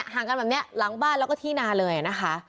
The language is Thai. ห่างกันแบบนี้หลังบ้านแล้วก็ที่นาเลยนะคะ